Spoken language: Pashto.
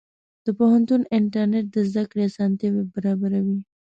د پوهنتون انټرنېټ د زده کړې اسانتیا برابروي.